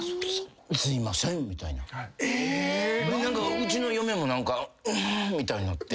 うちの嫁もうんみたいになって。